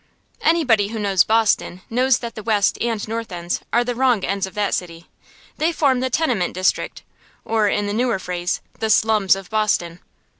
Anybody who knows Boston knows that the West and North Ends are the wrong ends of that city. They form the tenement district, or, in the newer phrase, the slums of Boston.